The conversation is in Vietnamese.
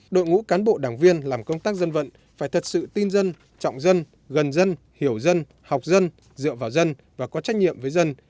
đội ngũ cán bộ đảng viên làm công tác dân vận phải thật sự tin dân trọng dân gần dân hiểu dân học dân dựa vào dân và có trách nhiệm với dân